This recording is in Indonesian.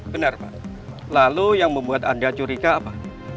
benar pak lalu yang membuat anda curiga apa